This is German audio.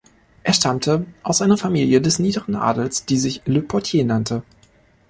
Er stammte aus einer Familie des niederen Adels, die sich "Le Portier" nannte.